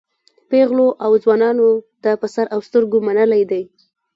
پېغلو او ځوانانو دا په سر او سترګو منلی دی.